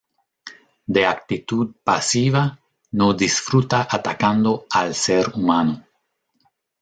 De actitud pasiva, no disfruta atacando al ser humano.